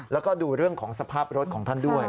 แล้วก็ดูเรื่องของสภาพรถของท่านด้วย